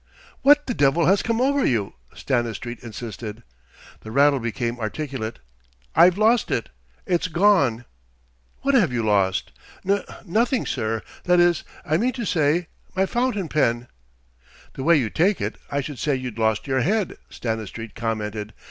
"What the devil has come over you?" Stanistreet insisted. The rattle became articulate: "I've lost it! It's gone!" "What have you lost?" "N nothing, sir. That is I mean to say my fountain pen." "The way you take it, I should say you'd lost your head," Stanistreet commented.